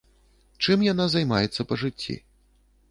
Чым яна займаецца па жыцці?